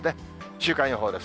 週間予報です。